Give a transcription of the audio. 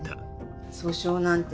訴訟なんて